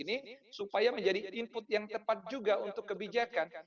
ini supaya menjadi input yang tepat juga untuk kebijakan